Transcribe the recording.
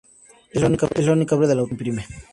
Es la única obra del autor que aún se imprime.